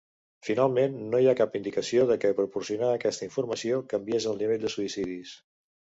Finalment, no hi ha cap indicació de que proporcionar aquesta informació canviés el nivell de suïcidis.